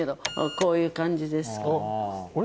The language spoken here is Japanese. こういう感じです。